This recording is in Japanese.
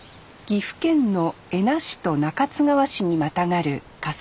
岐阜県の恵那市と中津川市にまたがる笠置山。